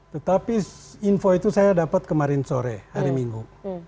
tetapi info itu saya dapat kemarin sore hari minggu